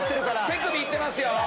手首行ってますよ！